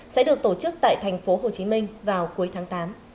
sẽ được tổ chức tại thành phố hồ chí minh vào cuối tháng tám